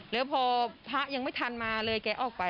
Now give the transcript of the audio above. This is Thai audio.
แล้วพอพระยังไม่ทันมาเลยแกออกไป